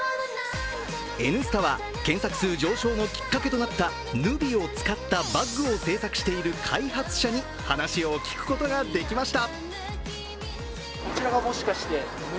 「Ｎスタ」は検索数上昇のきっかけとなったヌビを使ったバッグを製作している開発者に話を聞くことができまた。